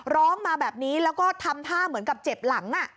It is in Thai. ร้องมาแบบนี้แล้วก็ทำท่าเหมือนกับเจ็บหลัง